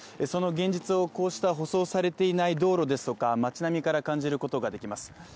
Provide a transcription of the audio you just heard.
その現実をこうした舗装されていない道路ですとか町並みから感じることができます。